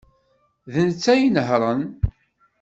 D netta ay inehhṛen.